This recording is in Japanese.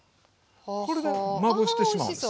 これでまぶしてしまうんですよ。